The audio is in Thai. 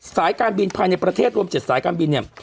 สายการบินภายในประเทศรวม๗สายการบินเนี่ย